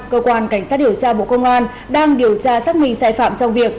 cơ quan cảnh sát điều tra bộ công an đang điều tra xác minh sai phạm trong việc